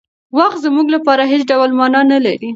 وخت زموږ لپاره هېڅ ډول مانا نهلري.